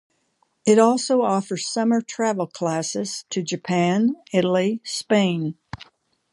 It also offers summer travel classes to Japan, Italy, Spain.